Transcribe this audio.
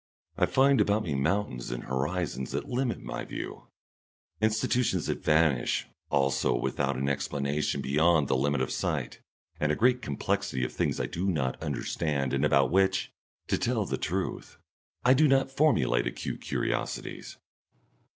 I find about me mountains and horizons that limit my view, institutions that vanish also without an explanation, beyond the limit of sight, and a great complexity of things I do not understand and about which, to tell the truth, I do not formulate acute curiosities.